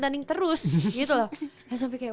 tanding terus gitu loh sampai kayak